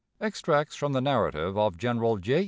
Extracts from the narrative of General J.